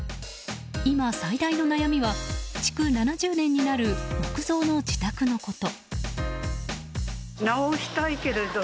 今最大の悩みは築７０年になる木造の自宅のこと。